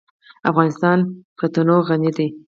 افغانستان په تنوع غني دی.